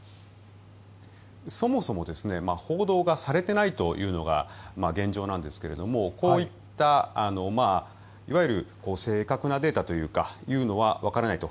そもそも報道がされていないというのが現状なんですが、こういったいわゆる正確なデータというのはわからないと。